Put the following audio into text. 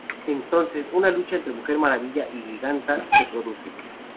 Entonces, una lucha entre la Mujer Maravilla y Giganta se produce.